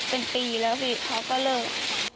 เป็นปีแล้วพี่เขาก็เลิก